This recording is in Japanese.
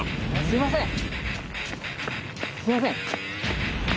すいません！